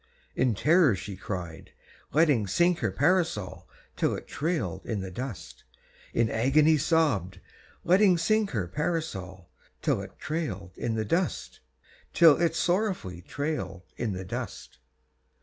In terror she cried, letting sink her Parasol till it trailed in the dust; In agony sobbed, letting sink her Parasol till it trailed in the dust, Till it sorrowfully trailed in the dust.